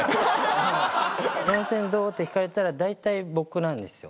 「四千どう？」って聞かれたら大体僕なんですよ。